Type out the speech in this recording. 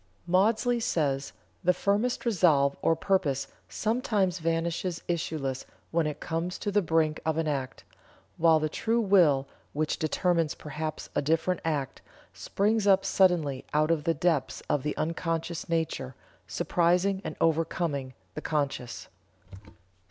Maudsley says: "The firmest resolve or purpose sometimes vanishes issueless when it comes to the brink of an act, while the true will, which determines perhaps a different act, springs up suddenly out of the depths of the unconscious nature, surprising and overcoming the conscious."